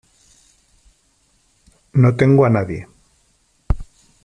no tengo a nadie .